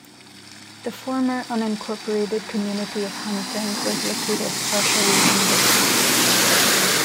The former unincorporated community of Hunting was located partially in the town.